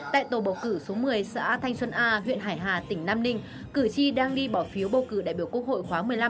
tại tổ bầu cử số một mươi xã thanh xuân a huyện hải hà tỉnh nam ninh cử tri đang đi bỏ phiếu bầu cử đại biểu quốc hội khóa một mươi năm